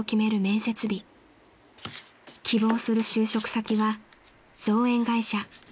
［希望する就職先は造園会社］